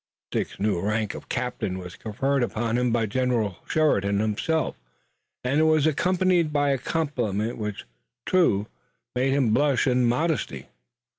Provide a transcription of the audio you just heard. Dick's new rank of captain was conferred upon him by General Sheridan himself, and it was accompanied by a compliment which though true made him blush in his modesty.